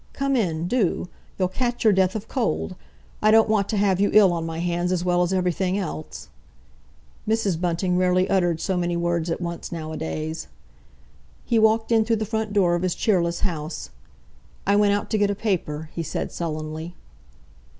Come in—do! You'll catch your death of cold! I don't want to have you ill on my hands as well as everything else!" Mrs. Bunting rarely uttered so many words at once nowadays. He walked in through the front door of his cheerless house. "I went out to get a paper," he said sullenly.